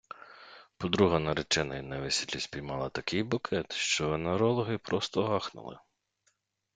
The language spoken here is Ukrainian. Подруга нареченої на весіллі спіймала такий букет, що венерологи просто ахнули!